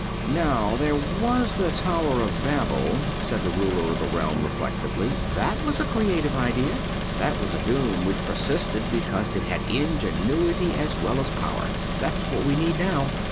"Now there was the Tower of Babel," said the ruler of the realm reflectively, "that was a creative idea. That was a doom which persisted because it had ingenuity as well as power. That's what we need now."